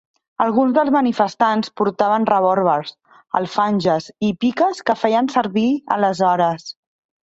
Alguns dels manifestants portaven revòlvers, alfanges i piques que feien servir aleshores.